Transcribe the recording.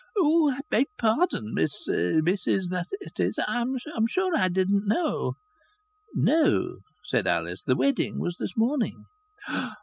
"Oh! I beg pardon, miss Mrs, that is I'm sure. I didn't know " "No," said Alice. "The wedding was this morning."